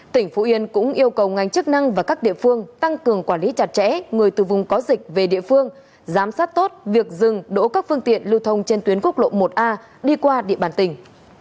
tỉnh phú yên cũng yêu cầu ngành chức năng và các địa phương tăng cường quản lý chặt chẽ người từ vùng có dịch về địa phương giám sát tốt việc dừng đỗ các phương tiện lưu thông trên tuyến quốc lộ một a đi qua địa bàn tỉnh